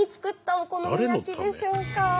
お好み焼きでしょうか？